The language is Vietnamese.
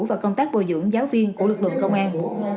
và công tác bồi dưỡng giáo viên của lực lượng công an